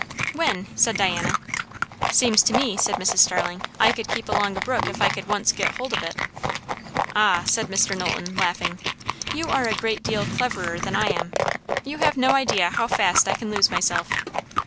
"When?" said Diana. "Seems to me," said Mrs. Starling, "I could keep along a brook if I could once get hold of it." "Ah," said Mr. Knowlton, laughing, "you are a great deal cleverer than I am. You have no idea how fast I can lose myself.